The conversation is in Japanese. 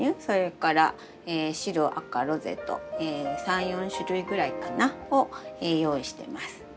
それから白赤ロゼと３４種類ぐらいかな？を用意してます。